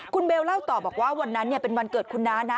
คุณเบลเล่าต่อบอกว่าวันนั้นเป็นวันเกิดคุณน้านะ